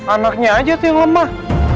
anaknya aja tuh yang lemah